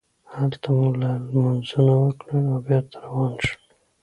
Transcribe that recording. هلته مو لمونځونه وکړل او بېرته روان شولو.